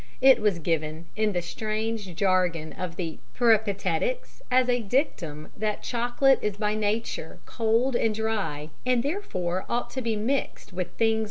It was given, in the strange jargon of the Peripatetics, as a dictum that chocolate is by nature cold and dry and therefore ought to be mixed with things which are hot.